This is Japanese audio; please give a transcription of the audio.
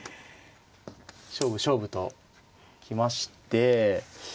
勝負勝負と行きまして。